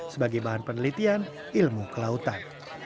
sebagai bahan penelitian ilmu kelautan